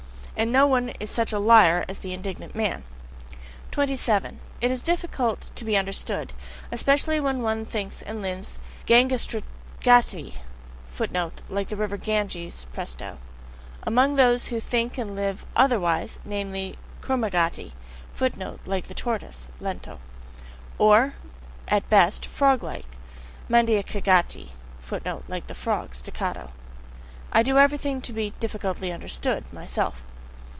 And no one is such a LIAR as the indignant man. 27. It is difficult to be understood, especially when one thinks and lives gangasrotogati [Footnote: Like the river Ganges: presto.] among those only who think and live otherwise namely, kurmagati [Footnote: Like the tortoise: lento.], or at best "froglike," mandeikagati [Footnote: Like the frog: staccato.] (I do everything to be "difficultly understood" myself!)